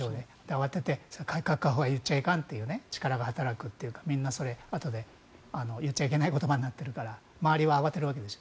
慌てて改革開放は言っちゃいかんという力が働くとかみんな、あとで言っちゃいけない言葉になっているから周りは慌ているわけです。